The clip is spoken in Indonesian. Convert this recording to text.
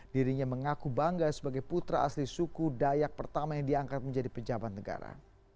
dirinya mengaku bangga sebagai putra asli suku dayak pertama yang diangkat menjadi pejabat negara